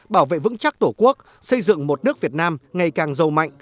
bảo vệ vững chắc tổ quốc xây dựng một nước việt nam ngày càng giàu mạnh